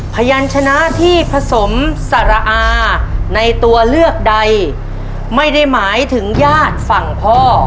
พยานชนะที่ผสมสารอาในตัวเลือกใดไม่ได้หมายถึงญาติฝั่งพ่อ